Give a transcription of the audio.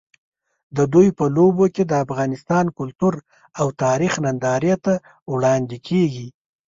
د دوی په لوبو کې د افغانستان کلتور او تاریخ نندارې ته وړاندې کېږي.